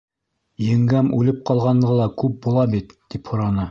Еңгәм үлеп ҡалғанына ла күп була бит? — тип һораны.